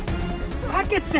吐けって！